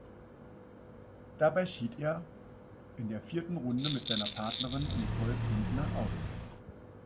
Dabei schied er in der vierten Runde mit seiner Partnerin Nicole Kuntner aus.